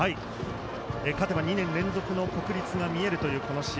勝てば、２年連続の国立が見えるという試合。